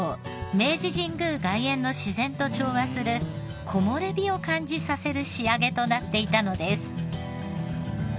明治神宮外苑の自然と調和する木漏れ日を感じさせる仕上げとなっていたのです。